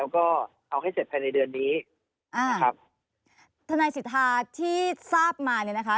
ก็เอาให้เสร็จภายในเดือนนี้อ่านะครับทนายสิทธาที่ทราบมาเนี่ยนะคะ